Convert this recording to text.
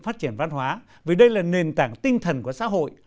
phát triển văn hóa vì đây là nền tảng tinh thần của xã hội